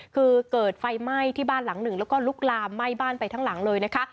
คือเกิดไฟไหม้ที่บ้านหลังหนึ่งแล้วก็ลุกลามไหม้บ้านไปทั้งหลังเลยนะคะ